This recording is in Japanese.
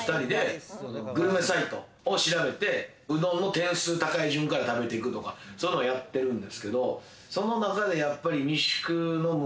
グルメサイトを調べて、うどんの点数高い順から食べていくとか、やってるんですけれど、その中で、三宿の夢